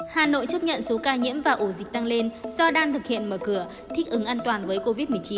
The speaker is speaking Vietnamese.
hà nội chấp nhận số ca nhiễm và ổ dịch tăng lên do đang thực hiện mở cửa thích ứng an toàn với covid một mươi chín